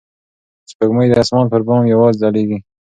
سپوږمۍ د اسمان پر بام یوازې ځلېږي.